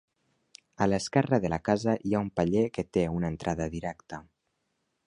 A l'esquerra de la casa hi ha un paller que té una entrada directa.